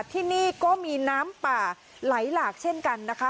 ที่นี่ก็มีน้ำป่าไหลหลากเช่นกันนะคะ